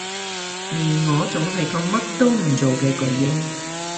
而我仲係個乜都唔做嘅巨嬰